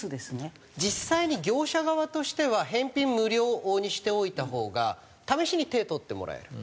実際に業者側としては返品無料にしておいたほうが試しに手に取ってもらえる。